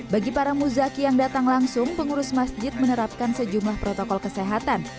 bagi para muzaki yang datang langsung pengurus masjid menerapkan sejumlah protokol kesehatan